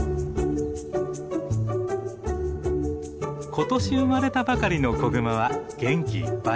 ことし生まれたばかりの子グマは元気いっぱい。